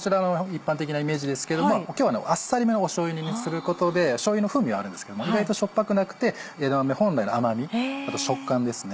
一般的なイメージですけど今日はあっさりめのしょうゆ煮にすることでしょうゆの風味はあるんですけど意外としょっぱくなくて枝豆本来の甘みあと食感ですね。